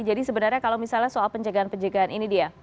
jadi sebenarnya kalau misalnya soal pencegahan pencegahan ini dia